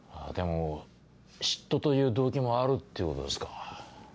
でも嫉妬という動機もあるっていうことですか。